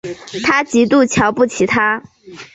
她极度瞧不起他